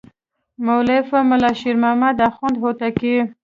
مؤلفه ملا شیر محمد اخوند هوتکی.